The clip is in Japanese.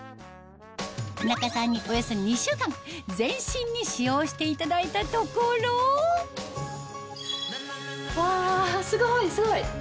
田中さんにおよそ２週間全身に使用していただいたところうわすごいすごい！